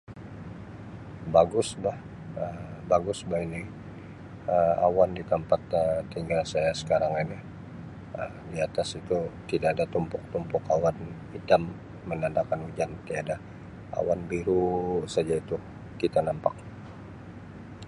Bagus bah Um bagus bah ini Um awan di tampat Um tinggal saya sekarang ini Um di atas itu tidak ada tumpuk-tumpuk awan hitam menandakan hujan tiada awan biru saja itu kita nampak.